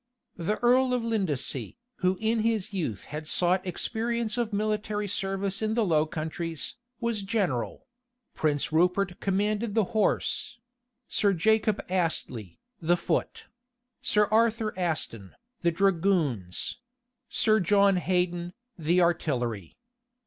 The earl of Lindesey, who in his youth had sought experience of military service in the Low Countries,[] was general; Prince Rupert commanded the horse; Sir Jacob Astley, the foot; Sir Arthur Aston, the dragoons; Sir John Heydon, the artillery.